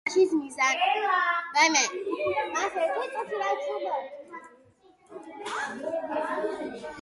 თამაშის მიზანია მაქსიმალური ქონების დაგროვება სათამაშო პერიოდის ბოლოსთვის.